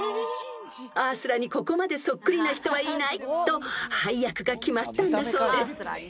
［アースラにここまでそっくりな人はいない！と配役が決まったんだそうです］